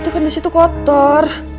itu kan disitu kotor